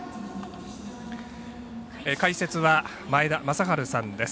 解説は前田正治さんです。